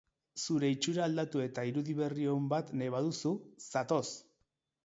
Zure itxura aldatu eta irudi berri on bat nahi baduzu, zatoz!